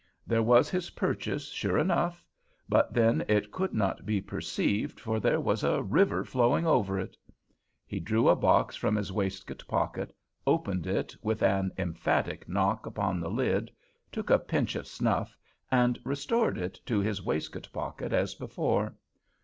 There was his purchase sure enough; but then it could not be perceived for there was a river flowing over it! He drew a box from his waistcoat pocket, opened it, with an emphatic knock upon the lid, took a pinch of snuff and restored it to his waistcoat pocket as before.